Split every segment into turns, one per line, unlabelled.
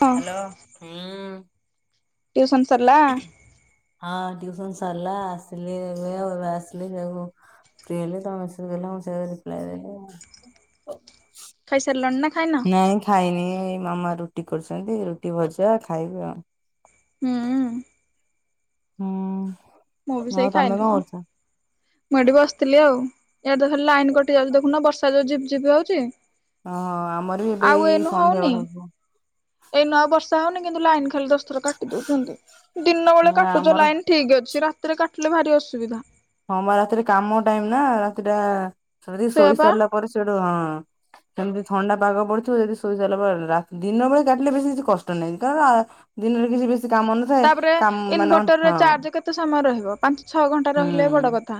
ହଁ
ହ୍ୟାଲୋ ହୁଁ।
ଟିଉସନ୍ ସରିଲା?
ହଁ ଟିଉସନ ସରିଲା ଆସିଲି ଏଉ ଏବେ ଆସିଲି। ଫ୍ରି ହେଲେ ତ ମେସେଜ ଦେଲେ ରିପ୍ଲାଏ ଦେଲି ଆଉ।
ଖାଇସାରିଲଣି ନା ଖାଇନ?
ନାଇଁ ଖାଇନି ଏଇ ମାମା ରୁଟି କରୁଛନ୍ତି ରୁଟି ଭଜା ଖାଇବା ଆ
ହୁଁ।
ହୁଁ
ମୁଁ ବି ସେଇ
ଆଉ
ଖାଇନି
ତମେ କଣ
ମ
କରୁଛ?
ମୁଁ ଏଠି ବସିଥିଲି ଆଉ ୟ ଦେଲେ ଲାଇନ କଟି ଯାଉଛି ଦେଖୁନ ବର୍ଷା ଯଉ ଜିପି ଜିପି ହଉଛି।
ଓ ଆମର ବି ଏବେ ଏଇ ସନ୍ଧ୍ୟା ବେଳେ ହବ
ଏଇ ନୂଆ ବର୍ଷା ହଉନି କିନ୍ତୁ ଲାଇନ ଖାଲି ଦଶ ଥର କାଟି ଦଉଛନ୍ତି। ଦିନ ବେଳେ
ହଁ
କାଟୁଛ
ଆମର
ଲାଇନ ଠିକ୍ ଅଛି ରାତିରେ କାଟିଲେ ଭାରି ଅସୁବିଧା।
ହଁ ମ ରାତିରେ କାମ ଟାଇମ ନା ରାତିଟା ସେ
ସେଇଆ
ଶୋଇ
ପା
ସାରିଲା ପରେ ସେଟୁ ହଁ ସେମିତି ଥଣ୍ଡା ପାଗ ପଡିଥିବ ଯଦି ଶୋଇ ସାରିଲା ପରେ ଦିନ ବେଳେ କାଟିଲେ ବେଶୀ କିଛି କଷ୍ଟ ନାହିଁ କାରଣ ଦିନରେ କିଛି ବେଶୀ କାମ ନ
ତାପରେ ଇନଭର୍ଟର ଚାର୍ଜ କେତେ? ସମୟ ରହିବ ପାଞ୍ଚ ଛଅ ଘଣ୍ଟା
ହୁଁ
ରହିଲେ ବି ବଡ କଥା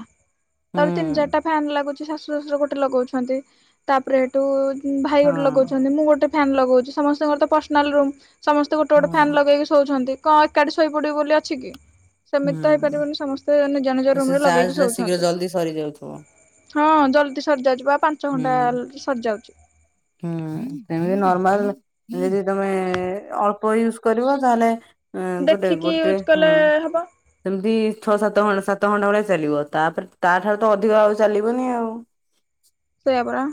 ହୁଁ
ତର ତିନି ଚାରିଟା ଫ୍ୟାନ୍ ଲାଗୁଛି ଶାଶୁ ଶଶୁର ଗୋଟେ ଲଗଉଛନ୍ତି ତାପରେ ହେଠୁ ଭାଇ ଗୋଟେ
ହଁ
ଲଗାଉଛନ୍ତି ମୁଁ ଗୋଟେ ଫ୍ୟ। ନ୍ ଲଗାଉଛି ସମସ୍ତଙ୍କର ତ ପର୍ସନାଲ ରୁମ ସମସ୍ତେ ଗୋଟେ ଗୋଟେ ଫ୍ୟାନ୍
ହଁ
ଲଗେଇକି ଶୋଉଛନ୍ତି। କଣ ଏକାଠି ଶୋଇପଡିବ ବୋଲି ଅଛି କି? ସେମିତି ତ
ହୁଁ
ହେଇପାରିବନି ସମସ୍ତେ ଜେ ଜନେଜ
ତ ସେ
ରୁମ ରେ
ଚାର୍ଜ
ଲଗେଇକି
ଟା ଶୀଘ୍ର
ଶଉଛନ୍ତି।
ଜଲଦି ସରିଯାଉଥିବ
ହଁ ଜଲଦି ସରିଯାଉଛି ପା ପାଞ୍ଚ ଘଣ୍ଟା
ହୁଁ।
ସରିଯାଉଛି।
ହୁଁ ସେମିତି ନର୍ମାଲ ଯଦି ତମେ ଅଳ୍ପ ୟୁଜ କରିବ ତାହେଲେ ଗୋଟେ
ଦେଖିକି ୟୁଜ
ଗୋଟେ
କଲେ
ହଁ
ହବ
ସେମିତି ଛଅ ସାତ ଘଟ ସାତ ଘଣ୍ଟା ଭଳିଆ ଚାଲିବ ତାପରେ ତାଠାରୁ ତ ଅଧିକ ଆଉ ଚାଲିବନି ଆଉ।
ସେୟା ପରା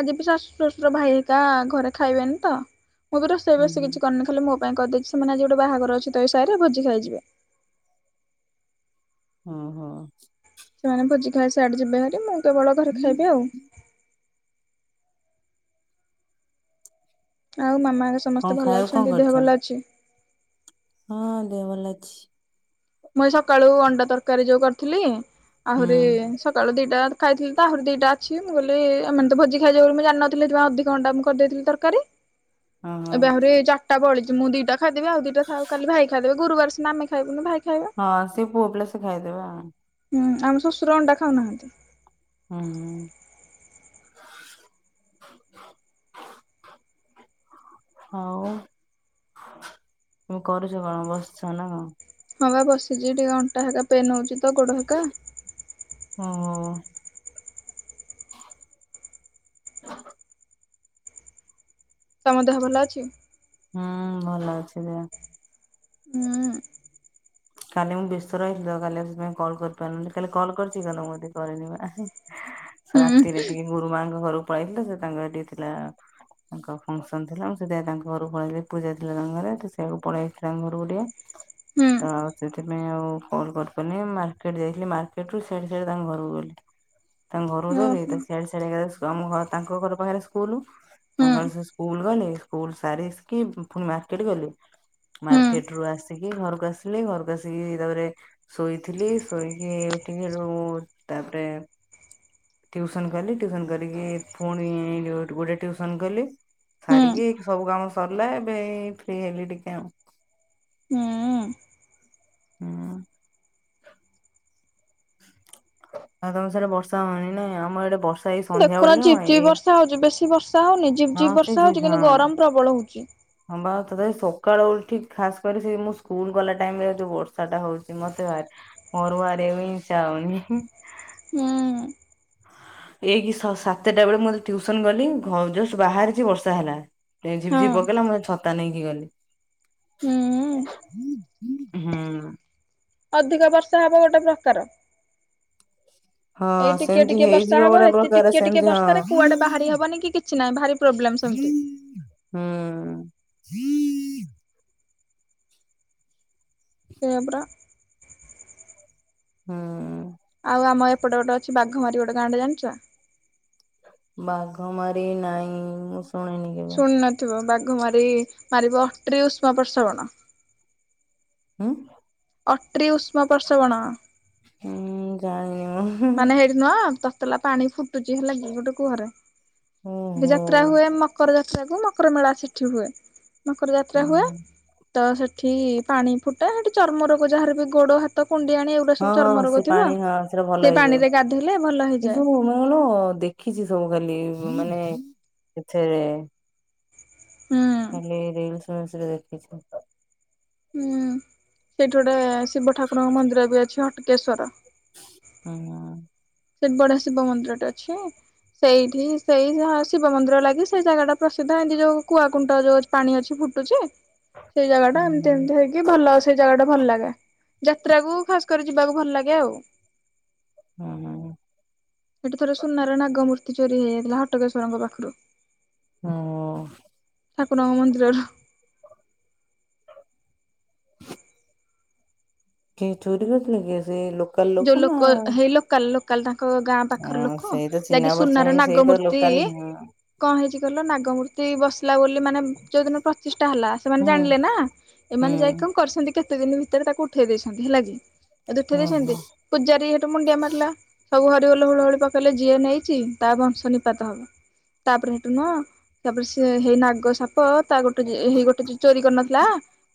ଆଜି ବି ଶାଶୁ ଶ୍ୱଶୁର ଭାଇ ହେରିକା ଘରେ ଖାଇବେନି ତ ମୁଁ ବି ରୋଷେଇ
ହୁଁ
ବଷ
ହୁଁ।
କିଛି କରିନି ମୋ ପାଇଁ କହିଦେଇଛି, ସେମାନେ ଆଜି ଗୋଟେ ବାହାଘର ତସହିରେ ଭୋଜି ଖାଇଯିବେ।
ହଁ ହଁ।
ସେମାନେ ଭୋଜି ଖାଇ ସିଆଡ଼େ ଯିବେ ହେରି ମୁଁ କେବଳ ଘରେ ଖାଇବି ଆଉ। ଆଉ ମାମା
କଣ
ସମସ୍ତେ ଭଲ
ଖାଇବାକୁ କଣ
ଅଛନ୍ତି ଦେହ
କରିଛ?
ଭଲ ଅଛି?
ହଁ ଦେହ ଭଲ ଅଛି।
ମୁଇଁ ସକାଳୁ ଅଣ୍ଡା ତରକାରୀ ଯୋଉ କରିଥିଲି
ହୁଁ
ଆହୁରି ସକାଳୁ ଦିଟା ଖାଇଥିଲ ତାହୁରି ଦିଟା ଅଛି ମୁଁ କହି ଆମେ ତ ଭୋଜି ଖାଇାଉ ବୋଲି ମୁଁ ଜାଣିନଥିଲିବା ଅଧିକ ଅଣ୍ଟା ମୁଁ କରିଦେଇଥିଲି ତରକାରୀ
ଓହୋ
ଏବେ ଆହୁରି ଚାରିଟା ବଳିଛି ମୁଁ ଦିଟା ଖାଇଦବେ ଆଉଦିଟା ଥାଉ କାଲି ଭାଇ ଖାଇଦେବେ ଗରୁବାର ସିନା ଆମେ ଖାଇବୁନୁ ଭାଇ ଖାଇବ।
ହଁ ସେପୁଅ ପିଲା ସେ ଖାଇଦେବେ ଆଉ।
ହୁଁ ଆମ ଶ୍ୱଶୁର ଅଣ୍ଡା ଖାଉନାହାନ୍ତି।
ହୁଁ ହୁଁ।
[inaudible]
ଆଉ କରୁଚ କଣ ବସିଛ ନା କଣ?
ହଁ ବା ବସିଚି ଏଟି ଅଣ୍ଟା ହାକା ପେନ୍ ହଉଚିତ ଗୋଡ଼ ହାକା।
ହୁଁ।
ତମଦେହ ଭଲଅଛି?
ହୁଁ ଭଲ ଅଛି ଦେହ।
ହୁଁ।
କାଲି ମୁଁ ବ୍ୟସ୍ତ ରହିଥିଲିତ କାଲି ଆଉ ସେଥିପାଇଁ କଲ୍ କରିପାରିନଥିଲି କାଲି କଲ୍ କରିଚି କାଇକିନା ମୁଁ ଏଟି କରିନି।
[inaudible]
ସେ ରାତିରେ ଟିକେ ଗୁରୁମାଙ୍କ ଘରକୁ ପଳେଇଥିଲୁ ସେ ତାଙ୍କର ଟିକେ ଥିଲା ତାଙ୍କ ଫଂକ୍ସନ ଥିଲା ମୁଁ ସେଥିପାଇଁ ତାଙ୍କ ଘରୁକୁ ପଳେଇଲି ପୂଜା ଥିଲା ତାଙ୍କ ଘରେ ତ ସେଇଆକୁ ପଳେଇଥିଲି ତାଙ୍କ ଘରକୁ ଟିକେ।
ହୁଁ
ତ ସେଥିପାଇଁ ଆଉ କଲ୍ କରିିପାରିନି ଆଉ ମାର୍କେଟ ଯାଇଥିଲି ମାର୍କେଟରୁ ସିଆଡ଼େ ସିଆଡ଼େ ତାଙ୍କ ଘରକୁ ଗଲି। ତାଙ୍କ ଘରକୁ ଗନି
ଓହୋ
ତ ସିଆଡ଼େ ସିଆଡ଼େ ଏକାଥରେ ଆମ ଘର ତାଙ୍କ ଘର ପାଖରେ ସ୍ ସ୍କୁଲ
ହୁଁ
ତାଙ୍କର ସେସ୍କୁଲ ଗଲେ ସ୍କୁଲ ସାରିକି ପୁଣି ମାର୍କେଟ ଗଲି
ହୁଁ
ମାର୍କେଟ ରୁ ଆସିକି ଘରକୁ ଆସିଲି ଘର ବାସ୍ ଇଏ ତାପରେ ଶୋଇଥିଲି ଶୋଇକି ଉଠିକି ହେଟୁ ତାପରେ ଟିୟୁସନ୍ କଲି ଟିୟୁସନ୍ କରିକି ପୁଣି ଗୋଟେ ଟିୟୁସନ୍ କଲି
ହୁଁ।
ସାରିକି ସବୁ କାମ ସରିଲା ଏବେ ଏଇ ଫ୍ରି ହେଲି ଟିକେ ଆଉ।
ହୁଁ।
ହୁଁ। ଆଉ ତମ ସିଆଡ଼େ ବର୍ଷା ହଉନି ନାଇଁ ଆମ ଇଆଡ଼େ ବର୍ଷା ଏଇ
ଦେଖୁନ
ସନ୍ଧ୍ୟାବେଳେ
ଝିପ୍
ନୁହଁ
ଝିପ୍
ଏଇ
ବର୍ଷା ହଉଚି ବେଶୀ ବର୍ଷା ହଉନି ଝିପ୍
ହଁ
ଝିପ୍
ସେ
ବର୍ଷା ହଉଚି
ଝା
କିନ୍ତୁ
ହଁ।
ଗରମ ପ୍ରବଳ ହଉଚି।
ହଁ ବା ତଥାପି ସକାଳୁ ଉଠିକି ଖାସ୍ କରି ସେ ମୁଁ ସ୍କୁଲ୍ ଗଲା ଟାଇମ୍ ରେ ଯୋଉ ବର୍ଷା ଟା ହଉଚି ମତେ ଭାରି ମୋର ବାହାରିବାକୁ ଇଚ୍ଛା ହଉନି।
ହୁଁ।
ଏଇକିି ସ ସାତଟା ବେଳେ ମୁଁ ଯେତେବେଳେ ଟିୟୁସନ୍ ଗଲି ଘ ଜଷ୍ଟ ବାହାରିଛି ବର୍ଷା ହେଲା। ପ୍ରାଏ ଝିପ୍
ହଁ
ଝିପ୍ ପକେଇଲା ମୁଁ ଛତା ନେଇକି ଗଲି।
ହୁଁ।
ହୁଁ।
ଅଧିକା ବର୍ଷା ହବ ଗୋଟେ ପ୍ରକାର। ଏଇ
ହଁ
ଟିକେ
ସେମିତି
ଟିକେ ବର୍ଷା
ହେଇଯିବ
ହବ
ଗୋଟେ
ସେତିକି
ପ୍ରକାର
ଟିକେ ଟିକେ
ସେମିତି ହଁ।
ବର୍ଷାରେ କୁଆଡ଼େ ବାହାରି ହବନି କିଛି ନାହିଁ ଭାରି ପ୍ରୋବ୍ଲେମ୍ ସେମିତି।
ହୁଁ। [inaudible]
ସେୟାପରା।
ହୁଁ।
ଆଉ ଆମ ଏପଟେ ଗୋଟେ ଅଛି ବାଘମାରି ଗୋଟେ ଗାଁଟେ ଜାଣିଚ?
ବାଘମାରି ନାଇଁ ମୁଁ ଶୁଣିନି କେ
ଶୁଣିନଥିବ ବାଘମାରି ମାରିବ ଅଟ୍ରି ଉଷ୍ମ ପ୍ରସବଣ।
ଉଁ?
ଅଟ୍ରି ଉଷ୍ମପର୍ସବଣ।
ହୁଁ ଜାଣିନି ମୁଁ ହୁଁ।
ମାନେ ହେଇଠି ନୁହଁ ତତେଲା ପାଣି ଫୁଟୁ ଫୁଟୁଛି ହେଲାକି ଗୋଟେ କୁଅରେ ସେଠି
ଓହୋ।
ଯାତ୍ରା ହୁଏ ମକର ଯାତ୍ରାକୁ ମକର ମେଳା ସେ ସେଠୀ ହୁଏ ମକର ଯାତ୍ରା ହୁଏତ ସେଠି ପାଣି ଫୁଟି ତ ସେଠି ଚର୍ମରୋଗ ଯାହାର ବି ଗୋଡ, ହାତ, କୁଣ୍ଡିଆନି ଏଗୁଡା ସବୁ ଚର୍ମ ରୋଗ ଥିବ।
ସେଥିରେ ଭଲ
ସେଇ
ହେଇଯାଏ,
ପାଣିରେ ଗାଧୋଇଲେ ଭଲ
ଏ
ହେଇଯାଏ
ସବୁ ମାନେ ମୁଁ ନୁହଁ ଦେଖିଛି ସବୁ ଖାଲି ମାନେ ଏଥିରେ
ହୁଁ
ହେଲେ ରିଲସ ଫିସରେ ଦେଖିଛି।
ହୁଁ ସେଇଠି ଗୋଟେ ଶିବ ଠାକୁରଙ୍କ ମନ୍ଦିର ବି ଅଛି ଅଟକେଶ୍ଵର।
ଉଁ।
ସେଇଠି ବଢିଆ ଶିବ ମନ୍ଦିରଟେ ଅଛି। ସେଇଠି ସେଇ ଶିବ ମନ୍ଦିର ଲାଗି ସେଇ ଜାଗାଟା ପ୍ରସିଦ୍ଧ ଏମିତି ଯୋଉ କୁଆକୁଣ୍ଟ ଯୋଉ ଅଛି। ପାଣି ଅଛି ଫୁଟୁଛି ସେଇ ଜାଗା ଟା ଏମିତି
ହୁଁ
ଏମତି ହେଇକି କି ଭଲ ସେଇ ଜାଗା ଟା ଭଲ ଲାଗେ ଯାତ୍ରାକୁ ଖାସ କରି ଯିବାକୁ ଭଲ ଲାଗେ ଆଉ।
ଉଁ ହୁଁ।
ସେଠି ଥରେ ସୁନାର ନାଗମୂର୍ତ୍ତି ଚୋରି ହେଇ ଯାଇଥିଲା ହଟକେଶ୍ୱରଙ୍କ ପାଖରୁ।
ହୁଁ।
ଠାକୁରଙ୍କ ମନ୍ଦିରରୁ।
କିଏ ଚୋରି କରିଥିଲେ କି ସେ ଲୋକ? ଲୋକାଲ
ଯୋଉ
ନା
ଲୋକ ହେଇ ଲୋକାଲ ଲୋକ। କାଲି ତାଙ୍କ ଗାଁ ପାଖର
ହଁ
ଲୋକ
ସେଇ ତ
ଯାହାକି
ଚିହ୍ନା ପରିଚୟ
ସୁନାର
ହେଇ ସେଇ ତ
ନାଗମୂର୍ତ୍ତି
ଲୋକାଲି ହଁ
କଣ ହେଇଛି କହିଲ ନାଗମୂର୍ତ୍ତି ବସିଲା ବୋଲି ମାନେ ଯୋଉଦିନ ପ୍ରତିଷ୍ଠା ହେଲା। ସେମାନେ
ହୁଁ
ଜାଣିଲେ ନା ଏମାନେ ଯାଇକି
ହୁଁ।
କଣ କରିଛନ୍ତି କେତେ ଦିନ ଭିତରେ ତାକୁ ଉଠେଇ ଦେଇଛନ୍ତି ହେଲା କି। ଆଉ ଉଠେଇ
ଓହୋ
ଦେଇଛନ୍ତି, ପୂଜାରୀ ସେଠୁ ମୁଣ୍ଡିଆ ମାରିଲା। ସବୁ ହରିବୋଲ ହୁଳହୁଳି ପକେଇଲେ ଯିଏ ନେଇଛିି ତା ବଂଶ ନିପାତ ହବ। ତାପରେ ସେଠୁ ନୁହଁ ତାପରେ ସେ ହେଇ ନାଗ ସାପ ତା ଗୋଟେ ହେଇ ଗୋଟେ ଜେ ଚୋରି କରିନଥିଲା,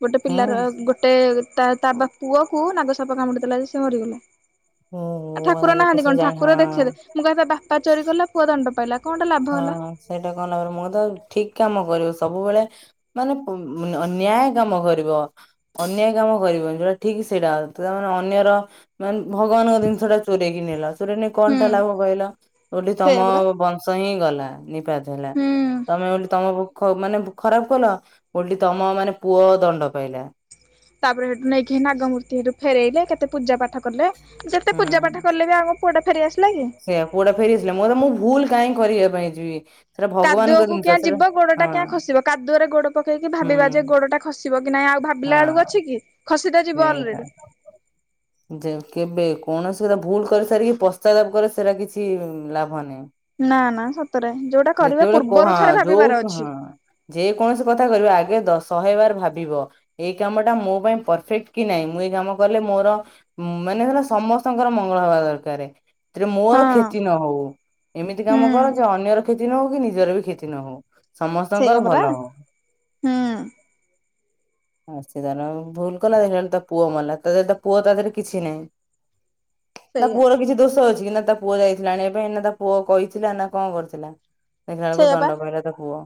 ଗୋଟେ
ହଁ
ପିଲାର ଗୋଟେ ଗୋଟେ ତା ତା ପୁଅକୁ ନାଗ ସାପ କାମୁଡ଼ି ଦେଲା ଯେ ସେ ମରିଗଲା।
ଓ
ଆ
ଓ
ଠାକୁର
ଲୋକ
ନାହାନ୍ତି
ସବୁ
କଣ
ଜାଣି
ଠାକୁର ଦେଖେଇଦେଲେ
ହଁ।
ମୁଁ କହିଆକଥା ବାପ ଚୋରି କଲା ପୁଅ ଦଣ୍ଡ ପାଇଲା। କଣଟା ଲାଭ
ହଁ
ହେଲା।
ସେଇଟା କଣ ମୁଁ ତ ଠିକ କାମ କରିବ ସବୁବେଳେ ମାନେ ନ୍ୟାୟ କାମ କରିବ। ଅନ୍ୟାୟ କାମ କରିବନି ଯଉଟା ଠିକ ସେଇଟା ତା ମାନେ ଅନ୍ୟର ମାନେ ଭଗବାନଙ୍କ ଜିନିଷ ଟା ଚୋରେଇ କିି ନେଲ, ଚୋରେଇ ନେଇ
ହୁଁ
କଣ ଟା ଲାଭ କହିଲ ଓଲଟି
ସେଇଆ
ତମ
ପରା।
ବଂ ସ ହିଁ ଗଲା ନିପାତ ହେଲା,
ହୁଁ
ତମେ ବୋଲି ତମ ମାନେ ଖରାପ କଲ ଓଲଟି ତମ ମାନେ ପୁଅ ଦଣ୍ଡ ପାଇଲା।
ତାପରେ ସେଠୁ ନେଇକି ନାଗମୂର୍ତ୍ତି ସେଠୁ ଫେରାଇଲେ କେତେ ପୂଜା ପାଠ କଲେ। ଯେତେ ପୂଜା
ହୁଁ
ପାଠ କଲେ ବି ଆମ ପୁଅଟା ଫେରି ଆସିଲା କି।
ସେଇଆ ପୁଅଟା ଫେରି ଆସିଲା ମୋର ମୁଁ ଭୁଲ କାହିଁ କରିବା ପାଇଁ ଯିବି। ସେଟା ଭଗବାନଙ୍କ
କାଦୁଅକୁ
ଜିନିଷ
କିଁଆ
ସେଟା
ଯିବ ଗୋଡ
ହଁ
ଟା କିଁଆ ଖସିବ କାଦୁଅରେ ଗୋଡ ପକେଇକି
ହୁଁ
ଭାବିବା ଯେ ଗୋଡ଼ଟା ଖସିବ କି ନାଇଁ ଆଉ
ହଁ
ଭାବିଲା ବେଳକୁ ଅଛି କି ଖସିତ ଯିବ
ସେଇ କଥା।
ଅଲରେଡି।
ଯେ କେବେ କୌଣସି ର ଭୁଲ କରି ସାରିକି ପଶ୍ଚାତାପ କଲେ ସେଇଟା କିଛି ଲାଭ ନାହିଁ।
ନା ନା ସତରେ ଯୋଉଟା କରିବା
ଯେତେବେଳେ କ ହଁ
ପୂର୍ବରୁ ଥରେ
ଯୋଉ
ଭାବିବାର
ହଁ
ଅଛି।
ଯେ କୌଣସି କଥା କରିବ ଆଗେ ଦଶ ଶହେବାର ଭାବିବ। ଏଇ କାମ ଟା ମୋ ପାଇଁ ପରଫେକ୍ଟ କି ନାହିଁ ମୁଁ ଏଇ କାମ କଲେ ମୋର ଉଁ ମାନେ ସେଇଟା ସମସ୍ତଙ୍କର ମଙ୍ଗଳ ହବା ଦରକାର। ତିରେ ମୋର
ହଁ
କ୍ଷତି ନ ହଉ ଏମିତି
ହୁଁ
କାମ କର ଯେ ଅନ୍ୟର କ୍ଷତି ନ ହଉ କି ନିଜର ବି କ୍ଷତି ନହଉ।
ସେଇଆ ପରା ହୁଁ।
ଆ ସେ ତାର ଭୁଲ କଲା ଦେଖିଲାବେଳୁ ତା ପୁଅ ମଲା, ତା ତା ପୁଅ ତା ଦେହରେ କିଛି ନାହିଁ। ନା
ସେଇଆ
ପୁଅର କିଛି ଦୋଷ ଅଛି କି ନା ତା ପୁଅ ଯାଇଥିଲା ଆଣିବା ପାଇଁ ନା ତା ପୁଅ କହିଥିଲା ନା କଣ କରିଥିଲା। ଦେଖିଲା ବେଳକୁ
ସେଇଆ ପା
ଦଣ୍ଡ ପାଇଲା ତା ପୁଅ।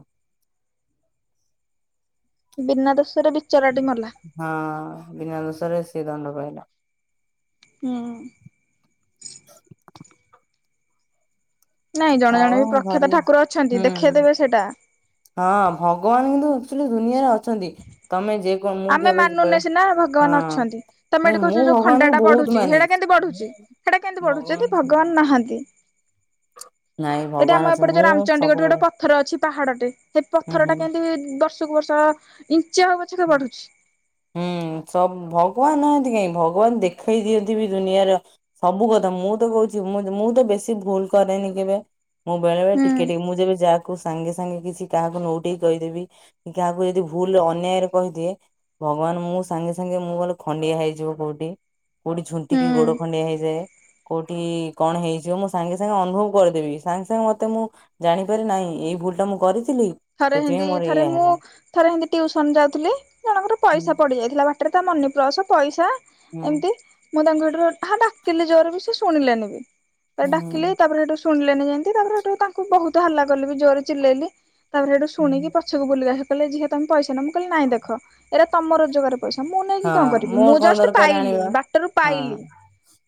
ବିନା ଦୋଷରେ ବିଚରାଟି ମଲା।
ହଁ, ବିନା ଦୋଷରେ ସିଏ ଦଣ୍ଡ ପାଇଲା।
ହୁଁ।
[inaudible]
ନାଇଁ ଜଣେ ଜଣେ ବି
ଆଉ
ପ୍ରଖ୍ୟାତ
ଘରେ
ଠାକୁର ଅଛନ୍ତି
ହୁଁ
ଦେଖେଇ ଦେବେ ସେଟା।
ହଁ, ଭଗବାନ କିନ୍ତୁ ଆକ୍ଚୁଲି ଦୁନିଆରେ ଅଛନ୍ତି। ତୋମେ ଯେ କଣ ମୁଁ
ଆମେ
କେବେ ଯିବା
ମାନୁନେ ସିନା ଭଗବାନ
ହଁ
ଅଛନ୍ତି, ତୋମେ
ନାଇଁ
ଏଠି
ମୁଁ
କହୁଛ ଯୋଉ ଖଣ୍ଡା
ଭଗବାନଙ୍କୁ
ଟା
ବହୁତ
ବଢୁଚି
ମାନେ।
ସେଇଟା କେମିତି ବଢୁଚି। ସେଟା କେମିତି
ମୁଁ
ବଢ଼ୁଚି, ଯଦି
ହଁ
ଭଗବାନ ନାହାଁନ୍ତି!
ନାଇଁ
ଏଇଟି
ଭଗବାନ
ଆମ
ଅଛି
ଏପଟେ ଯୋଉ
ମୁଁ
ରାମଚଣ୍ଡୀ ଗୋଟେ ସେଠି
ସବୁବେଳେ
ପଥର ଅଛି, ପାହାଡଟେ ସେଇ
ହୁଁ
ପଥର ଟା କେମିତି ଦର୍ଶ ବର୍ଷ କୁବର୍ଷ ଇଞ୍ଚେ ହଉ ପଛକେ
ହୁଁ।
ବଢୁଛି।
ହୁଁ, ସବ ଭଗବାନ ନାହାନ୍ତି କାହିଁ, ଭଗବାନ ଦେଖେଇ ଦିଅନ୍ତି ବି ଦୁନିଆର ସବୁ କଥା ମୁଁ ତ କହୁଛି ମୁଁ ଯ ମୁଁ ତ ବେଶୀ ଭୁଲ କରେନି କେବେ। ମୁଁ ବେଳେବେଳେ
ହୁଁ
ଟିକେ ଟିକେ ମୁଁ ଯେବେ ଯାଆକୁ ସାଙ୍ଗେ ସାଙ୍ଗେ କିଛି କାହାକୁ ନଉଟେଇ କହିଦେବି, କାହାକୁ ଯଦି ଭୁଲ ଅନ୍ୟାୟରେ କହିଦିଏ, ଭଗବାନ ମୁଁ ସାଙ୍ଗେ ସାଙ୍ଗେ ମୁଁ ଖାଲି ଖଣ୍ଡିଆ ହେଇଯିବ କୋଉଟି। କୋଉଠି
ହୁଁ
ଝୁଣ୍ଟିକି ଗୋଡ ଖଣ୍ଡିଆ ହେଇଯାଏ। କୋଉଠି କଣ ହେଇଯିବ ମୁଁ ସାଙ୍ଗେ ସାଙ୍ଗେ ଅନୁଭବ କରିଦେବି। ସାଙ୍ଗେ ସାଙ୍ଗେ ମୋତେ ମୁଁ ଜାଣିପାରେ ନାଇଁ ଏଇ ଭୁଲ ଟା ମୁଁ କରିଥିଲି।
ଥରେ ସେମତି
ସେଥିପାଇଁ ମୋର
ଥରେ
ଏଇଆ
ମୁଁ
ହେଲା
ଥରେ ସେମତି ଟିଉସନ ଯାଉଥିଲି ଜଣଙ୍କର
ହୁଁ
ପଇସା ପଡି ଯାଇଥିଲା ବାଟରେ, ତା ମନି ପ୍ରସ୍ ପଇସା
ହୁଁ
ଏମତି, ମୁଁ ତାଙ୍କୁ ସେଠରୁ ହା ଡାକିଲି ଜୋର ବି ସିଏ ଶୁଣିଲେନି ବି। ଏ ଡାକିଲି ତାପରେ ସେଠୁ ଶୁଣିଲେନି ଯେମତି ତାପରେ ସେଠୁ ତାଙ୍କୁ ବହୁତ ହାଲା କଲି ବି ଜୋର ଚିଲେଇଲି। ତାପରେ ସେଇଠୁ
ହୁଁ
ଶୁଣିକି ପଛକୁ ବୁଲିକି ଆସି କହିଲେ ଝିଅ ତୋମେ ପଇସା ନିଅ। ମୁଁ କଇଲି ନାଇଁ ଦେଖ ଏଇଟା ତୋମ ରୋଜଗାର ପଇସା ମୁଁ ନେଇକି
ହଁ
କଣ କରିବି?
ମୋର
ମୁଁ
କଣ
ଜଷ୍ଟ
ଦରକାର
ପାଇଲି
ଆଣିବା
ବାଟ ରୁ
ହଁ
ପାଇଲି।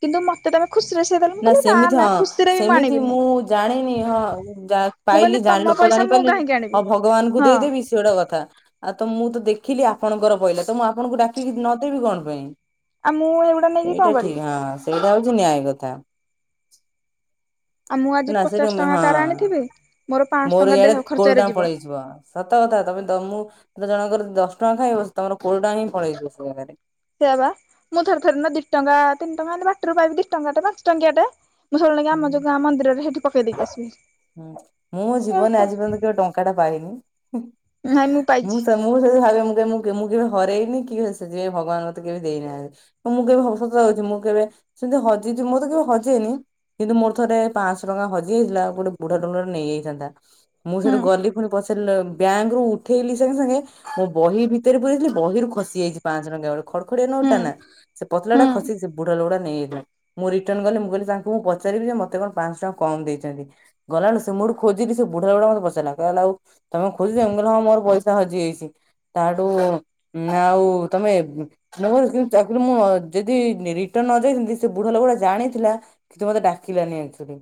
କିନ୍ତୁ ମୋତେ ଦେବେ ଖୁସିରେ ସେ ଦେଲେ ମୁଁ କହିଲି ନା
ସେମିତି
ନା
ହଁ
ଖୁସିରେ ବି ମୁଁ
ସେମିତି
ଆଣିବିନି।
ଜାଣିନି ହଁ ଯା
ମୁଁ କହିଲି
ପାଇଲି ଜାଣି
ତୋମ
ଲୋକ
ପଇସା ମୁଁ କାହିଁକି ଆଣିବି। ହଁ।
ସିଏ ଗୋଟେ କଥା, ଆ, ତ ମୁଁ ତ ଦେଖିଲି ଆପଣଙ୍କର ପଇଲା ତ ମୁଁ ଆପଣଙ୍କୁ ଡାକିକି ନଦେବି କଣ ପାଇଁ।
ଆଉ ମୁଁ ଏଗୁଡା ନେଇକି କଣ
ସେଇଟା ଠିକ,
କରିବି।
ହଁ ସେଇଟା ହଉଛି ନ୍ୟାୟ କଥା।
ଆଉ ମୁଁ ଆଜି
ନା ସେ [inaudible]
ପଚାଶ
ହଁ
ଟଙ୍କା କାର ଆଣିଥିବି ପାଁଶହ
ମୋର
ଟଙ୍କା
ଇଆଡେ
ଦେହ
କୋଉଠି
ଖର୍ଚ୍ଚରେ
ଟଙ୍କା
ଯିବ।
ପଳେଇଯିବ। ସତ କଥା ତୋମେ ତ ମୁଁ ତ ଜଣଙ୍କର ଦଶ ଟଙ୍କା ଖାଇବ ସେ ତମର କୋଡି ଟଙ୍କା ହିଁ ପଳେଇଯିବ ସେ ଜାଗାରେ।
ସେଇଆ ବା, ମୁଁ ଥରେ ଥରେ ନା ଦି ଟଙ୍କା ତିନି ଟଙ୍କା ଏମତି ବାଟରୁ ପାଇବି, ଦି ଟଙ୍କା ଟା ପାନ୍ସ ଟଙ୍କିଆ ଟେ ମୁଁ ସବୁବେଳେ ନେଇକି
ହୁଁ
ଆମ ଯୋଉ ଗାଁ ମନ୍ଦିରରେ ସେଠି ପକେଇ ଦେଇକି ଆସିବି। ଏ ତ
କାଟା ପାାଇନୁ ହୁଁ,।
ନାହିଁ ମୁଁ ପାଇଛି।
ମୁଁ ସେଇଥିପାଇଁ ଭାବେ ମୁଁ କେ ମୁଁ କେବେ ହରେଇନି କି ହେ ସେ ଯେ ଭଗବାନ ମୋତେ କେବେ ଦେଇନାହିଁ। ମୁଁ କେବେ ସ-ସତ କଉଛି ମୁଁ କେବେ ସେମିତି ହଜିଚି ମଁ ତ କେବେ ହଜେଇନି। କିନ୍ତୁ ମୋର ଥରେ ପାଁଶହ ଟଙ୍କା ହଜି ଯାଇଥିଲା। ଗୋଟେ ବୁଢ଼ା ଟଙ୍କା ନେଇ ଏଇଥାନ୍ତା। ମୁଁ ସେଠୁ
ହୁଁ
ଗଲି ପୁଣି ପଛ ଥିଲ, ବ୍ୟାଙ୍କ୍ ରୁ ଉଠେଇଲି ସାଙ୍ଗେ ସାଙ୍ଗେ ମୋ ବହି ଭିତରେ ପୁରେଇଥିଲି। ବହିରୁ ଖସି ଯାଇଚି ପାଁଶହ ଟଙ୍କା [inaudible] ଖଡ ଖଡିଆ ନୋଟ୍
ହୁଁ
ଟାନା ସେ ପତଲା ଟା ଖସିି
ହୁଁ
ସେ ବୁଢା ଲୋକ ଟା ନେଇ ଯାଇଥିଲା। ମୁଁ ରିଟର୍ଣ୍ଣ ଗଲି ମୁଁ କହିଲି ସା କୁ ମୁଁ ପଚାରିବି ଯେ ମୌତେ କଣ ପାଁଶହ ଟଙ୍କା କମ ଦେଇଚନ୍ତି। ଗଲାବେଳୁ ସେ ମୁଡୁ ଖୋଜିଲି ସେ ବୁଢା ଲୋକଟା ମୋତେ ପଚାରିଲା କହିଲା ଆଉ ତୋମେ କଣ ଖୋଜୁଚ? ମୁଁ କହିଲ ହଁ ମୋର ପଇସା ହଜି ଯାଇଛି। ତାଠୁ ନା ଆଉ ତୋମେ ମୁଁ ମୋର କିନ୍ତୁ ଚାକରୁ ମୁଁ ଯଦି ରିଟର୍ଣ୍ଣ ନ ଯାଇଥାନ୍ତି, ସେ ବୁଢା ଲୋକଟା ଜାଣିଥିଲା କିଛି ମୋତେ ଡାକିଲାନି ଆକ୍ଚୁଲି।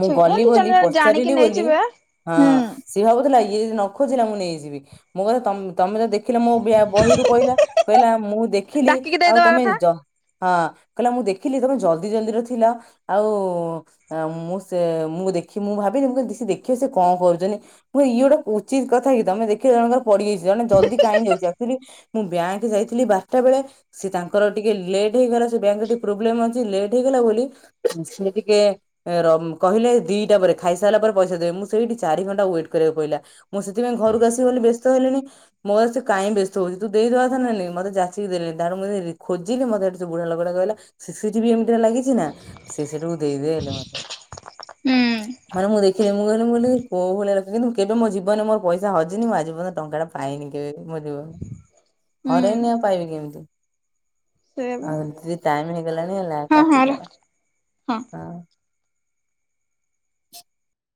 ମୁଁ ଗଲି
ଏମିତି
ବୋଲି
ଜଣେ ଜଣେ ଜାଣିକି
ପଚାରିଲି ବୋଲି
ନେଇଯିବେ
ହଁ
ହୁଁ
ସିଏ ଭାବୁଥିଲା ଇଏ ଯଦି ନ ଖୋଜିଲା ମୁଁ ନେଇଯିବି। ମୁଁ କଥା ତୋମ୍ ତୋମେ ଯଦି ଦେ ଖିଲ ମୋ ବ୍ୟା ବହିରୁ ପଇଲା, କହିଲା ମୁଁ ଦେଖିଲି
ଡାକିକି
ଆଉ
ଦେଇଦବା
ତୋମେ
କଥା
ଜ ହଁ, କଇଲା ମୁଁ ଦେଖିଲି ତୋମେ ଜଲଦି ଜଲଦିର ଥିଲ, ଆଉ ଆ, ମୁଁ ସେ ମୁଁ ଦେଖି ମୁଁ ଭାବିନି, ମୁଁ କଇନି ଦେ- ସେ ଦେଖିବ ସେ କଣ କରୁଚନି। ମୁଁ ଇଏ ଗୋଟେ ଉଚିତ କଥା କି ତୋମେ ଦେଖିଲ ଜଣକର ପଡିଯାଇଚି, ଜଣେ ଜଲଦି କାହିଁ ଯାଉଚି ଆକ୍ଚୁଲି ମୁଁ ବ୍ୟାଙ୍କ୍ ଯାଇଥିଲି ବାରଟା ବେଳେ। ସିଏ ତାଙ୍କର ଟିକେ ଲେଟ୍ ହେଇଗଲା ସେ ବ୍ୟାଙ୍କ୍ ରେ ଟିକେ ପ୍ରୋବ୍ଲେମ୍ ଅଛି ଲେଟ୍ ହେଇଗଲା ବୋଲି। ହୁଁ, ସିଏ ଟିକେ ରମ କହିଲେ ଦିଟା ପରେ ଖାଇସାରିଲା ପରେ ପଇସା ଦେବେ ମୁଁ ସେଇଠି ଚାରି ଘଣ୍ଟା ୱେଟ୍ କରିବାକୁ ପଇଲା। ମୁଁ ସେଥିପାଇଁ ଘରକୁ ଆସିବି ବୋଲି ବ୍ୟସ୍ତ ହେଲିଣି। ମୋର ସେ କାଇଁ ବ୍ୟସ୍ତ ହଉଛୁ ତୁ ଦେଇଦବା କଥା ନା ନାଇଁ। ମତେ ଜାଚିକି ଦେଲେନି ତାପରେ ମୁଁ ଯେତେ ଖୋଜିଲି ମୋତେ ହେଟୁ ସେ ବୁଢା ଲୋକଟା କହିଲା ସି ସି ଟି ଭି ଏମିତିଆ ଲାଗିଛି ନା ସେ ସେଟୁ ଦେଇଦେଲେ ମତେ।
ହୁଁ।
ମାନେ ମୁଁ ଦେଖିଲି ମୁଁ କଇ ମୁଁ କଇଲି କୋଉ ଭଳିଆ କିନ୍ତୁ କେବେ ଜୀବନରେ ମୋର ପଇସା ହଜିନି ଆଜି ପର୍ଯ୍ୟନ୍ତ ଟଙ୍କା ପାଇନି କେବେ ମୋ ଯିବ
ହୁଁ
ହରେଇନି ଆଉ ପାଇବି କେମିତି?
ସେୟା ବା
ହୋଉଚି ଟାଇମ ହେଇଗଲାଣିି ହେଲା କାଟିଦବା।
ହୁଁ।